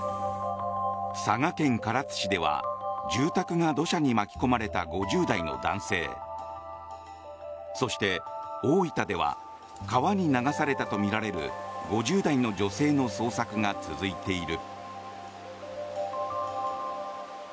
佐賀県唐津市では住宅が土砂に巻き込まれた５０代の男性そして大分では川に流されたとみられる５０代の女性の捜索が続いている。